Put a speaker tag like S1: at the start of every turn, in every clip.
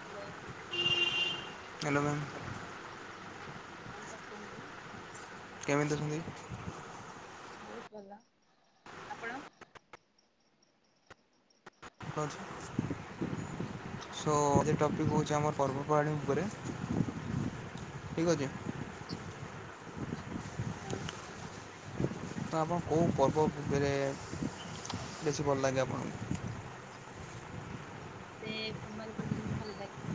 S1: Hello.
S2: Hello ma'am
S1: ହଁ ହଁ sir କୁହନ୍ତୁ।
S2: କେମିତି ଅଛନ୍ତି?
S1: ବହୁତ ଭଲ ଆପଣ।
S2: ହଁ ଅଛି। ସୋ ଆଜି ଟପିକ୍
S1: ଆଚ୍ଛା
S2: ହଉଛି ଆମର ପର୍ବପର୍ବାଣି ଉପରେ। ଠିକ ଅଛି।
S1: ଆଚ୍ଛା ହଁ।
S2: ତ ଆପଣ କୋଉ ପର୍ବ ଉ ଉପେରେ ବେଶୀ ଭଲ ଲାଗେ ଆପଣଙ୍କୁ।
S1: ସେ କୁମାର ପୂର୍ଣ୍ଣିମା ଭଲ ଲାଗେ।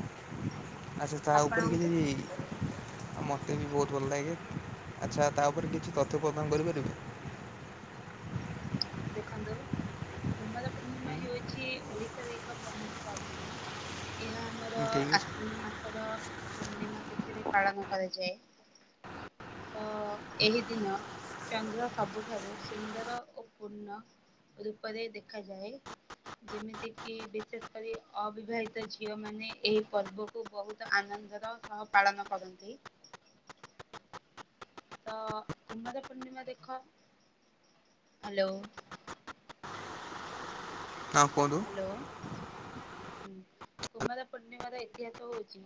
S2: ଆଚ୍ଛା ତା ଉପରେ କିଜି
S1: ଆପଣଙ୍କୁ?
S2: ଆଉ ମତେ ବି ବହୁତ ଭଲ ଲାଗେ ଆଚ୍ଛା ତା ଉପରେ କିଛି ତଥ୍ୟ ପ୍ରଦାନ
S1: ଆଚ୍ଛା
S2: କରିପାରିବେ।
S1: ଦେଖନ୍ତୁ କୁମାର ପୂର୍ଣ୍ଣିମା ହେଉଛି ଓଡିଶାରେ ଏକ ପ୍ରମୁଖ ପର୍ବ। ଏହା
S2: ହୁଁ,
S1: ଆମର
S2: ଠିକ୍ ଅଛି
S1: ଆଶ୍ୱିନ ମାସର। ପୂର୍ଣ୍ଣିମା ତିଥିରେ ପାଳନ କରାଯାଏ। ତ ଏହି ଦିନ ଚନ୍ଦ୍ର ସବୁଠାରୁ ସୁନ୍ଦର ଓ ପୂର୍ଣ୍ଣ ରୂପରେ ଦେଖାଯାଏ। ଯେମିତି କିି ବିଶେଷ କରି ଅବିବାହିତା ଝିଅ ମାନେ ଏହି ପର୍ବ। କୁ ବହୁତ ଆନନ୍ଦର ସହ ପାଳନ କରନ୍ତି। ତ କୁମାର ପୂର୍ଣ୍ଣିମା ଦେଖ ହାଲୋ।
S2: ଆଉ କୁହନ୍ତୁ।
S1: ହାଲୋ ହୁଁ କୁମାର ପୂର୍ଣ୍ଣିମା ର ଇତିହାସ ହଉଚି।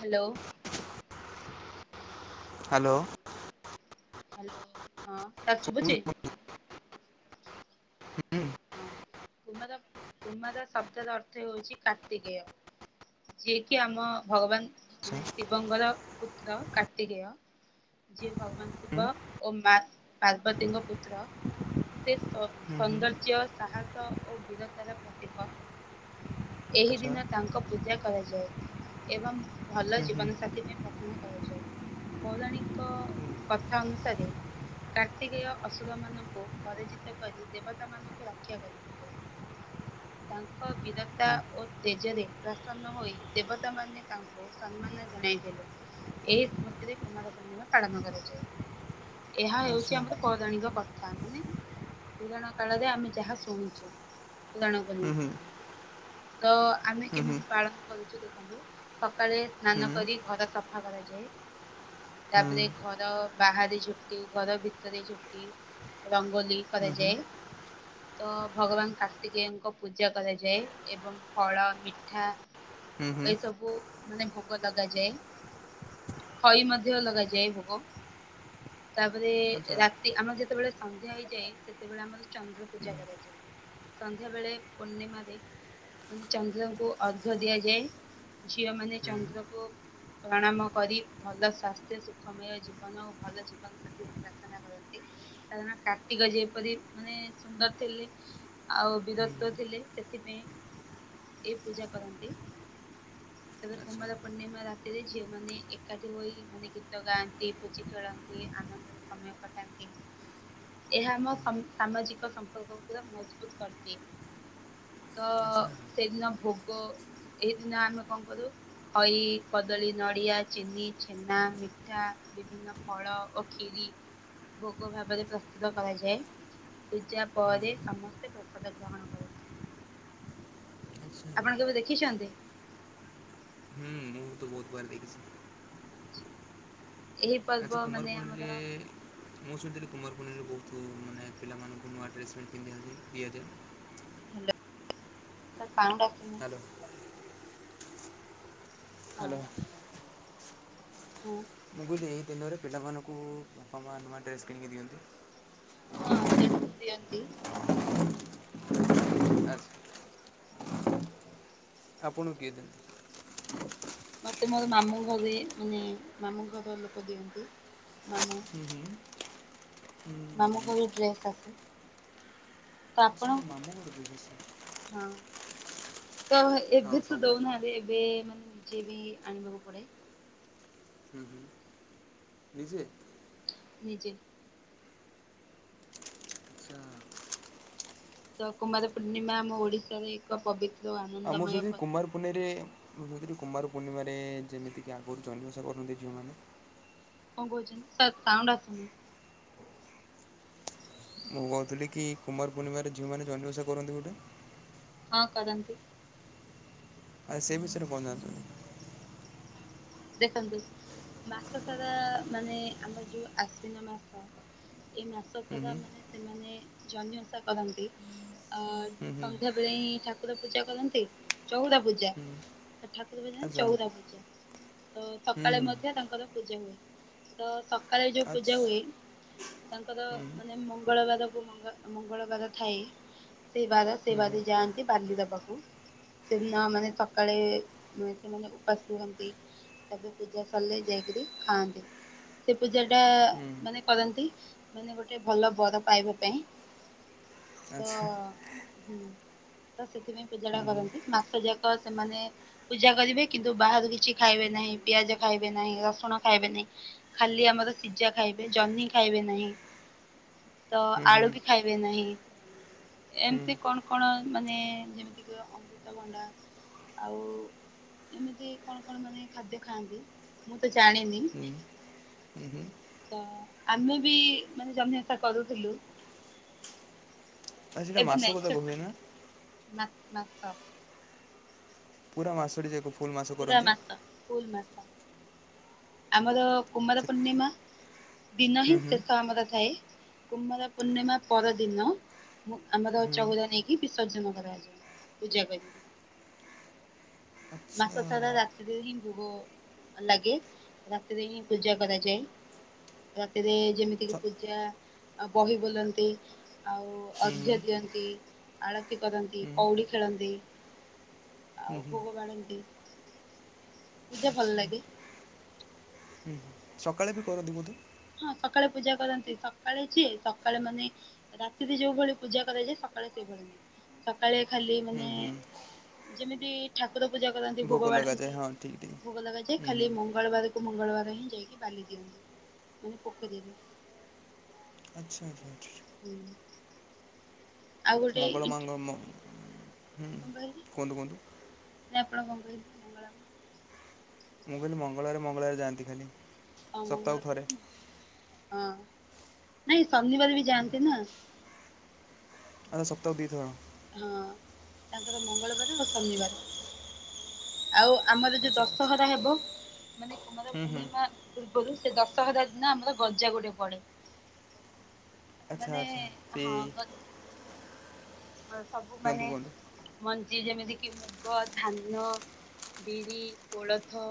S1: ହାଲୋ।
S2: ହାଲୋ।
S1: ହାଲୋ ହଁ ସାର୍
S2: ହୁଁ,
S1: ଶୁଭୁଚି।
S2: [inaudible]
S1: ହଁ କୁମାର କୁମାର ଶବ୍ଦର ଅର୍ଥ ହଉଚି କାର୍ତ୍ତିକେୟ। ଯିଏ କିି ଆମ ଭଗବାନ
S2: ଆଚ୍ଛା
S1: ମାନେ ଶିବଙ୍କର ପୁତ୍ର କାର୍ତ୍ତିକେୟ। ଯିଏ ଭଗବାନ
S2: ହୁଁ,
S1: ଶିବ ଓ ମା ପାର୍ବତୀଙ୍କ ପୁତ୍ର। ସେ ସ ସୋନ୍ଦର୍ ଯ୍ୟ ସାହସ ଓ ବୀରତାର ପ୍ରତୀକ ଏହି
S2: ଆଚ୍ଛା
S1: ଦିନ ତାଙ୍କ ପୁ ପୂଜା କରାଯାଏ ଏବଂ ଭଲ
S2: ହୁଁ, ହୁଁ,
S1: ଜୀବନ ସାଥି ପାଇଁ ପ୍ରାର୍ଥନା କରାଯାଏ। ପୌରାଣିକ କଥା ଅନୁସାରେ। କାର୍ତ୍ତିକେୟ ଅସୁର ମାନଙ୍କୁ ପରାଜିତ କରି ଦେବତାମାନଙ୍କୁ ରକ୍ଷା କରିଥିଲେ। ତାଙ୍କ ବୀରତା
S2: ହୁଁ,
S1: ଓ ତେଜରେ ପ୍ରସନ୍ନ ହୋଇ ଦେବତା ମାନ ତାଙ୍କୁ ସମ୍ମାନ ଜଣାଇଥିଲେ ଏହି ସ୍ମୃତିରେ କୁମାର ପୂର୍ଣ୍ଣିମା ପାଳନ କରାଯାଏ। ଏହା
S2: ଆଚ୍ଛା
S1: ହେଉଚି ଆମର ପୌରାଣିକ କଥା ମାନେ ପୁରାଣ କାଳରେ ଆମେ। ଯାହା ଶୁଣିଚି ପୁରାଣ
S2: ହୁଁ,
S1: ବନେଇଚି।
S2: ହୁଁ,
S1: ତ ଆମେ
S2: ହୁଁ, ହୁଁ,
S1: କେମିତି ପାଳନ କରୁଚୁ ଦେଖନ୍ତୁ? ସକାଳେ
S2: ହୁଁ, ହୁଁ,
S1: ସ୍ନାନ କରି ଘର ସଫା କରାଯାଏ। ତାପରେ ଘର ବାହାରେ ଝୋଟି ଘର ଭିତରେ ଝୋଟି ରଙ୍ଗୋଲି
S2: ହୁଁ, ହୁଁ,
S1: କରାଯାଏ। ତ ଭଗବାନ କାର୍ତ୍ତିକେୟଙ୍କ ପୂଜା କରାଯାଏ ଏବଂ ଫଳ ମିଠା
S2: ହୁଁ, ହୁଁ,
S1: ଏ ସବୁ ମାନେ ଭୋଗ ଲଗାଯାଏ ଖଇ ମଧ୍ୟ ଲଗାଯାଏ ଭୋଗ। ତାପରେ
S2: ଆଚ୍ଛା
S1: ରାତି ଆମର ଯେତେବେଳେ ସନ୍ଧ୍ୟା ହେଇଯାଏ ସେତେବେଳେ ଆମର ଚନ୍ଦ୍ର
S2: ହୁଁ,
S1: ପୂଜା କରାଯାଏ ସନ୍ଧ୍ୟା ବେଳେ ପୂର୍ଣ୍ଣିମାରେ ମାନେ ଚନ୍ଦ୍ରଙ୍କୁ ଅର୍ଘ୍ୟ ଦିଆଯାଏ ଝିଅ ମାନେ
S2: ହୁଁ,
S1: ଚନ୍ଦ୍ରକୁ ପ୍ରଣାମ କରି ଭଲ ସ୍ୱାସ୍ଥ୍ୟ ସୁଖମୟ ଜୀବନ ଓ ଭଲ ଜୀବନ ସେଥିପାଇଁ ପ୍ରାର୍ଥନା କରନ୍ତି କାରଣ କାର୍ତ୍ତିକ ଯେପରି ମାନେ ସ ସୁନ୍ଦର ଥିଲେ ଆଉ ବୀରତ୍ୱ
S2: ହୁଁ,
S1: ଥିଲେ ସେଥିପାଇଁ ଏଇ ପୂଜା କରନ୍ତି। ତେବେ
S2: ଆଚ୍ଛା
S1: କୁମାର ପୂର୍ଣ୍ଣିମା ରାତିରେ ଝିଅ ମାନେ ଏକାଠି ହୋଇ ମାନେ ଗୀତ ଗାନ୍ତି ପୂଜି ଖେଳନ୍ତି ଆନନ୍ଦ। ସମୟ କଟାନ୍ତି ଏହା ଆମ ସାମାଜିକ ସମ୍ପର୍କକୁ ପୁରା ମଜବୁତ କରିଦିଏ ତ
S2: ଆଚ୍ଛା
S1: ସେଦିନ ଭୋଗ ଏଇଦିନ ଆମେ କଣ କରୁ? ଖଇ କଦଳୀ ନଡ଼ିଆ ଚିନି ଛେନା ମିଠା ବିଭିନ୍ନ ବିଭିନ ଫଳ ଓ କ୍ଷିରି ଭୋଗ ଭାବରେ ପ୍ରସ୍ତୁତ କରାଯାଏ ପୂଜା ପରେ
S2: ହୁଁ
S1: ସମସ୍ତେ ପ୍ରସାଦ ଗ୍ରହଣ କରନ୍ତି।
S2: ଆଚ୍ଛା
S1: ଆପଣ କେବେ ଦେଖିଛନ୍ତି?
S2: ହୁଁ। ବହୁତ ବାର ଦେଖିଛି।
S1: ଆଛା ଏହି ପର୍ବ
S2: ଆଛା
S1: ମାନେ ଆମର
S2: କୁମାରପୂର୍ଣ୍ଣିମାରେ ମୁଁ ଶୁଣିଥିଲି କୁମାରପୁଣ୍ଣିମାରେ ବହୁତ ମାନେ ପିଲମାନଙ୍କୁ ନୂଆ ଡ୍ରେସ ପ୍ୟାଣ୍ଟ ପିଧିଥାନ୍ତି ଦିଆଯାଏ।
S1: ସାର୍ ସାଉଣ୍ଡ ଆସୁନି।
S2: Hello hello.
S1: ହୁଁ।
S2: ମୁଁ କହୁିଲି ଏହି ଦିନରେ ପିଲାମାନଙ୍କୁ ବାପା ମାଆ ନୂଆ ଡ୍ରେସ୍ କିଣିକି ଦିଅନ୍ତି।
S1: ହଁ ସେଟ୍ ଦିଅନ୍ତି।
S2: ଆଚ୍ଛା ଆପଣଙ୍କୁ କିଏ ଦିଅନ୍ତି?
S1: ମତେ ମୋର ମାମୁଁ ଘରେ ମାନେ ମାମୁଁ ଘର ଲୋକ ଦିଅନ୍ତି ମାମୁଁ।
S2: ହୁଁ ହୁଁ। ହୁଁ
S1: ମାମୁ
S2: ମାମୁଁ
S1: ଘରୁ ଡ୍ରେସ ଆସେ। ତ
S2: ଆଚ୍ଛା
S1: ଆପଣ
S2: ମାମୁଁ ଘର ଦେବେ ସେ
S1: ହଁ ତ
S2: ହଁ
S1: ଏବେ ତ
S2: ସବୁ
S1: ଦଉନାହାନ୍ତି ଏବେ ମାନେ ନିଜେ ବି ଆଣିବାକୁ ପଡେ।
S2: ହୁଁ ହୁଁ। ନିଜେ।
S1: ନିଜେ।
S2: ଆଚ୍ଛା
S1: ତ କୁମାର ପୂର୍ଣ୍ଣିମା ଆମ ଓଡ଼ିଶାରେ ଏକ ପବିତ୍ର
S2: ଆମ
S1: ଆନନ୍ଦମୟ
S2: ସହିଥି ସେ
S1: ପର୍ବ।
S2: କୁମାର ପୂନେଇଁରେ ମୁଁ କହୁଥିଲି କୁମାର ପୂର୍ଣ୍ଣିମାରେ ଯେମିତିକି ଆଗରୁ ଜହ୍ନିଓସା କରନ୍ତି ଝିଅମାନେ
S1: କଣ କହୁଛନ୍ତି ସାର୍ ସାଉଣ୍ଡ ଆସୁନି।
S2: ମୁଁ କହୁଥିଲି କି କୁମାର ପୂର୍ଣିମାରେ ଝିଅମାନେ ଜହ୍ନି ଓସା କରନ୍ତି ଗୋଟେ।
S1: ହଁ କରନ୍ତି।
S2: ଆଉ ସେ ବିଷୟ ରେ କଣ ଜାଣିଛନ୍ତି?
S1: ଦେଖନ୍ତୁ ମାସ ସାରା ମାନେ ଆମର ଯୋଉ ଆସିନ ମାସ ଏଇ ମାସ
S2: ହୁଁ
S1: ସାରା
S2: ହୁଁ
S1: ମାନେ ସେମାନେ ଜହ୍ନିଓସା କରନ୍ତି। ଅ
S2: ହୁଁ
S1: ସନ୍ଧ୍ୟା ବେଳେ ହିଁ ଠାକୁର ପୂଜା କରନ୍ତି ଚଉରା ପୂଜା
S2: ହୁଁ ହୁଁ
S1: ଠାକୁ ଏବେ ଯାଏଁ
S2: ଆଚ୍ଛା
S1: ଚଉରା ପୂଜା। ତ
S2: ହୁଁ
S1: ସକାଳେ
S2: ହୁଁ
S1: ମଧ୍ୟ ତାଙ୍କର ପୂଜା ହୁଏ। ତ ସକାଳେ ଯୋଉ
S2: ଆଚ୍ଛା
S1: ପୂଜା ହୁଏ ତାଙ୍କର
S2: ହୁଁ
S1: ମାନେ ମଙ୍ଗଳବାରକୁ ମଙ୍ଗ ମଙ୍ଗଳବାର ଥାଏ। ସେବାର ସେଇ
S2: ହୁଁ
S1: ବାରିରେ ଯାଆନ୍ତି ବାଲି ଦବାକୁ। ସେଦିନ ମାନେ ସକାଳେ ସେମାନେ ଉପାସ ରୁଅନ୍ତି। ତାପରେ ପୂଜା ସରିଲେ ଯାଇକି ରି ଖାଆନ୍ତି। ସେ ପୂଜା ଟା
S2: ହୁଁ
S1: ମାନେ କରନ୍ତି ମାନେ ଗୋଟେ ଭଲ ବର ପାଇବା ପାଇଁ ତ
S2: ଆଚ୍ଛା
S1: ହୁଁ ତ ସେଥିପାଇଁ ପୂଜାଟା କରନ୍ତି ମାସ ଯାକ ସେମାନେ ପୂଜା କରିବେ କିନ୍ତୁ ବାହାରୁ କିଛି ଖାଇବେ ନାହିଁ ପିଆଜ ଖାଇବେ ନାହିଁ ରସୁଣ ଖାଇବେ ନାହିଁ। ଖାଲି ଆମର ସିଜା ଖାଇବେ ଜହ୍ନି ଖାଇବେ ନାହିଁ।
S2: [inaudible]
S1: ତ ଆଳୁ
S2: ହୁଁ
S1: ବି ଖାଇବେ ନାହିଁ?
S2: ହୁଁ
S1: ଏମିତି କଣ କଣ ମାନେ ଯେମିତିକି ଅମୃତଭଣ୍ଡା ଆଉ ଏମିତି କଣ କଣ ମାନେ ଖାଦ୍ୟ ଖାଆନ୍ତି ମୁଁ ତ ଜାଣିନି।
S2: ହୁଁ ହୁଁ ହୁଁ।
S1: ତ ଆମେ ବି ମାନେ ଜହ୍ନି ଓଷା କରୁଥିଲୁ।
S2: ଆଉ ସେଟା ମାସ ବଜା ବହୁବେ ନା [unintelligible]
S1: ମ ମ [unintelligible]
S2: ପୁରା ମାସଟି ଜାକ [unintelligible]
S1: ପୁରା ମାସ ଫୁଲ ମାସ ଆମର କୁମାର
S2: ସେ
S1: ପୂର୍ଣ୍ଣିମା ଦିନହିଁ
S2: ହୁଁ ହୁଁ
S1: ଶେଷ ଆମର ଥାଏ। କୁମାର ପୂର୍ଣ୍ଣିମା ପରଦିନ ମୁ ଆମର
S2: ହୁଁ
S1: ଚଉରା ନେଇକି ବିସର୍ଜନ କରାଯାଏ। ପୂଜା କରି।
S2: ଆଚ୍ଛା
S1: ମାସ ସାରା ରାତିରେ ହିଁ ଭୋଗ ଲାଗେ ରାତିରେ ହିଁ ପୂଜା କରାଯାଏ ରାତିରେ ଯେମିତିକି
S2: ସ
S1: ପୂଜା ବହି ବୋଲନ୍ତି। ଆଉ
S2: ହୁଁ ହୁଁ
S1: ଅର୍ଘ୍ୟ ଦିଅନ୍ତି ଆଳତି କରନ୍ତି
S2: ହୁଁ
S1: କଉଡି ଖେଳନ୍ତି।
S2: ହୁଁ
S1: ଆଉ
S2: ହୁଁ
S1: ଭୋଗ ବାଢନ୍ତି। ପୂଜା ଭଲ ଲାଗେ।
S2: ହୁଁ ହୁଁ। ସକାଳେ ବି କରନ୍ତିି ବୋଧେ।
S1: ହଁ ସକାଳେ ପୂଜା କରନ୍ତି ସକାଳେ ଯେ ସକାଳେ ମାନେ ରାତିରେ ଯୋଉ ଭଳି ପୂଜା କରାଯାଏ। ସକାଳେ ସେଇଭଳି। ସକାଳେ ଖାଲି
S2: ହୁଁ
S1: ମାନେ
S2: ହୁଁ
S1: ଯେମିତି ଠାକୁର ପୂଜା କରନ୍ତି ଭୋଗ
S2: ଲଗାଯାଏ
S1: ବାଢନ୍ତି
S2: ହଁ ଠିକ୍ ଠିକ୍
S1: ଭୋଗ ଲଗାଯାଏ
S2: ହୁଁ ହୁଁ
S1: ଖାଲି ମଙ୍ଗଳବାର ମଙ୍ଗଳବାର ହିଁ ଯାଇକି ବାଲି ଦିଅନ୍ତି। ଉଁ ପୋଖରୀରେ।
S2: ଆଚ୍ଛା ଆଚ୍ଛା ଆଚ୍ଛା।
S1: ହୁଁ। ଆଉ ଗୋଟେ
S2: ମଙ୍ଗଳ
S1: ଇଣ୍ଟ
S2: ମାଙ୍କର ମୁଁ ହୁଁ କୁହନ୍ତୁ କୁହନ୍ତୁ।
S1: ନାଁ ଆପଣ କଁ କହିଲେ ମଙ୍ଗଳା ମା?
S2: ମୁଁ କହିଲି ମଙ୍ଗଳବାରେ ମଙ୍ଗଳବାରେ ଯାଆନ୍ତି ଖାଲି।
S1: ହଁ
S2: ସପ୍ତାହକୁ
S1: ମଙ୍ଗଳବାର
S2: ଥରେ
S1: କୁ ମଙ୍ଗଳବା ହଁ ନାଇଁ ଶନିବାର ବି ଯାଆନ୍ତି ନାଁ।
S2: ଆଉ ସପ୍ତାହୁ ଦି ଥର।
S1: ହଁ ତାଙ୍କର ମଙ୍ଗଳବାର ଆଉ ଶନିବାର। ଆଉ ଆମର ଯୋଉ
S2: ଆଚ୍ଛା ଆଚ୍ଛା
S1: ଦଶହରା ହେବ ମାନେ କୁମାର
S2: ହୁଁ ହୁଁ
S1: ପୂର୍ଣ୍ଣିମା ପୂର୍ବରୁ ସେ ଦଶହରା ଦିନ ଆମର ଗଜା ଗୋଟେ ପଡ଼େ।
S2: ଆଚ୍ଛା
S1: ମାନେ
S2: ଆଚ୍ଛା ସେଇ
S1: ହଁ ଗ ଅ ସବୁ ମାନେ
S2: କୁହନ୍ତୁ କୁହନ୍ତୁ
S1: ମଞ୍ଜି ଯେମିତି କି ମୁଗ ଧାନ ବିରି କୋଳଥ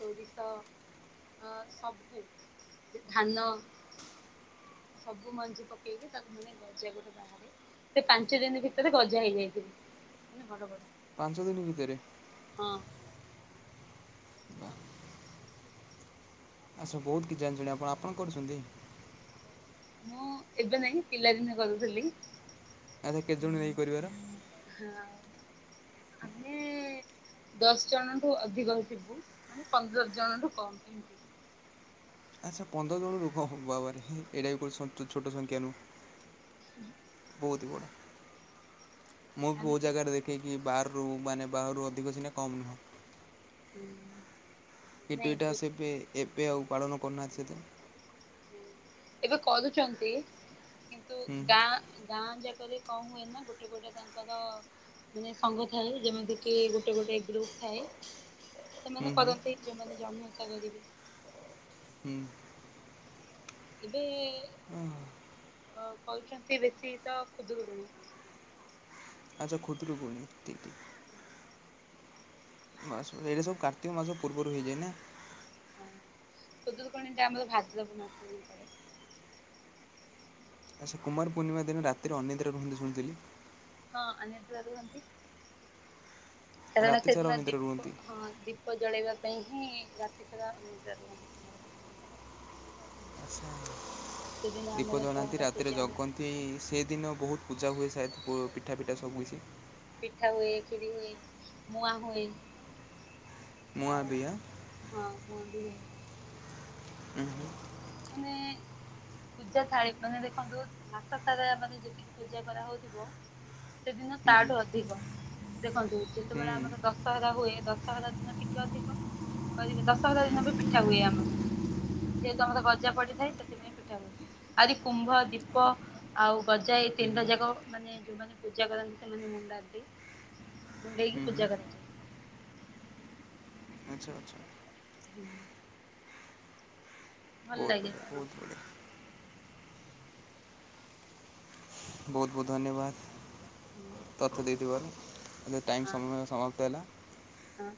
S1: ସୋରିଷ। ଅ ସବୁ ଏ ଧାନ। ସବୁ ମଞ୍ଜି ପକେଇକି ତାକୁ ମାନେ ଗଜା ଗୋଟେ ବାହାର ସେ ପାଞ୍ଚ ଦିନି ଭିତରେ ଗଜା ହେଇଯାଇଥିଲି ମାନେ ବଡ଼ ବଡ଼।
S2: ପାଞ୍ଚ ଦିନି ଭିତରେ?
S1: ହଁ।
S2: ୱା। ଆଚ୍ଛା ବହୁତ କିଛି ଜାଣିଚଣି ଆପଣ। ଆପଣ କରୁଛନ୍ତି?
S1: ମୁଁ ଏବେ ନାଇଁ ପିଲା ଦିନେ କରୁଥୁଲି।
S2: ଆଚ୍ଛା କେତେ ଜଣୁ ନେଇ କରିବାର?
S1: ହଁ ଆମେ ଦଶ ଜଣଠୁ ଅଧିକ ହି ଥିବୁ ମାନେ ପନ୍ଦର ଜଣଠୁ କମ ଏମତି।
S2: ଆଚ୍ଛା ପନ୍ଦର ଜଣ ଲୋକ ବାବରେ ଏଇଟା ବି କୋଉ ସନ୍ତୁ ଛୋଟ ସଂଖାନୁ
S1: ଉଁ ହୁଁ।
S2: ବୋହୁତି ବଡ଼ ମୁଁ ବି
S1: ଆମେ
S2: ବୋହୁ
S1: ହୁଁ
S2: ଜାଗାରେ ଦେ ଖେକି ବହାରରୁ ମାନେ ବାହାରୁ ଅଧିକ ସିନା କମ୍ ନୁହଁ। କିଟୁ
S1: ନାଇଁ
S2: ଏଟା
S1: ପୁ
S2: ସେବେ ଏବେ ଆଉ ପାଳନ କରୁନାହାନ୍ତି ସେତେ।
S1: ଏବେ କରୁଚନ୍ତି କିନ୍ତୁ
S2: ହୁଁ
S1: ଗାଁ ଗାଁ ଯାକରେ କଁ ହୁଏ ନାଁ ଗୋଟେ ଗୋଟେ ତାଙ୍କର ମାନେ ସଙ୍ଗ ଥାଏ ଯେମିତି କି ଗୋଟେ ଗୋଟେ ଗ୍ରୁପ୍ ଥାଏ ସେମାନେ
S2: ହୁଁ ହୁଁ
S1: କରନ୍ତି ଯୋଉମାନେ ଜନ୍ନିଓଷା କରିବେ।
S2: ହୁଁ।
S1: ଏବେ
S2: ଉଁ ହୁଁ।
S1: ଅ କରୁଛନ୍ତି ବେଶୀ ତ ଖୁଦୁରୁକୁଣୀ।
S2: ଆଚ୍ଛା ଖୁଦୁରୁକୁଣୀ ଟି ଟି। ବାସ୍ ବା ଏଇଟା ସବୁ କାର୍ତ୍ତିକ ମାସ ପୂର୍ବରୁ ହେଇଯାଏ ନାଁ?
S1: ହଁ ଖୁଦରୁକୁଣୀଟା ଆମର ଭାଦ୍ରବ ମାସରେ ଇ ପଡ଼େ।
S2: ଆଚ୍ଛା କୁମାର ପୂର୍ଣ୍ଣିମା ଦିନ ରାତିରେ ଅନିଦ୍ରା ରୁହନ୍ତି ଶୁଣିଥିଲି।
S1: ହଁ ଅନିଦ୍ରା ରୁହନ୍ତି କାରଣ
S2: ରାତି ସାରା
S1: ସେଦିନ
S2: ଅନିଦ୍ରା
S1: ଦୀପ
S2: ରୁହନ୍ତି
S1: ହଁ ଦି ପ ଜଳେଇବା ପାଇଁ ହିଁ ରାତି ସାରା ଅନିଦ୍ରା ରୁହନ୍ତି କୁମାର ପୂର୍ଣ୍ଣି
S2: ଆଚ୍ଛା।
S1: ସେଦିନ ଆମର ଚଉରା ପୂଜା ହୁଏ।
S2: ସେ ସେଦିନ ବହୁତୁ ପୂଜା ହୁଏ ସାୟଦେ ପିଠା ପିଠା ସବୁ କିଛି।
S1: ପିଠା ହୁଏ ଖିରି ହୁଏ ମୁଆଁ ହୁଏ
S2: ମୁଆଁ
S1: ଆଉ
S2: ବି ଆଁ?
S1: ହଁ କୁହନ୍ତି ଭାଇ।
S2: ଉଁ ହୁଁ।
S1: ମାନେ
S2: [inaudible]
S1: ପୂଜା ଥାଳିପାଖରେ ଦେଖନ୍ତୁ ମାସ ସାରା ମାନେ ଯେତିକି ପୂଜା କରା ହଉଥିବ। ସେଦିନ
S2: ଉଁ ହୁଁ,
S1: ତାଠୁ ଅଧିକ ଦେଖନ୍ତୁ
S2: ଉଁ,
S1: ଯେତେବେଳେ ଆମର ଦସ
S2: ଉଁ,
S1: ଦଶହରା ହୁଏ ଦଶହରା ଦିନ ଟିକେ ଅଧିକ କରିବେ ଦଶହରା ଦିନ ବି ପିଠା ହୁଏ ଆମର। ଯେହେତୁ ଆମର ଗଜା ପଡିଥାଏ ସେଥିପାଇଁ। ପିଠା ହୁଏ ଆହୁରି କୁମ୍ଭ ଦୀପ ଆଉ ଗଜା
S2: ଉଁ
S1: ତିନିଟା
S2: ହୁଁ,
S1: ଯାକ ମାନେ ଯୋଉମାନେ ପୂଜା କରନ୍ତି ସେମାନେ ମୁଣ୍ଡାନ୍ତି ମୁଣ୍ଡେଇକି
S2: ଉଁ ହୁଁ।
S1: ପୂଜା କରନ୍ତି।
S2: ଆଚ୍ଛା ଆଚ୍ଛା।
S1: ହୁଁ ଭଲ
S2: ବହୁତ
S1: ଲାଗେ।
S2: ବଢ଼ିଆ ବହୁତ ବଢ଼ିଆ ବହୁତ ବହୁତ ଧନ୍ୟବାଦ ତଥ୍ୟ ଦେଇଥିବାରୁ ତ ଟାଇମ୍ ସମୟ ସମାପ୍ତ ହେଲା।
S1: ହଁ।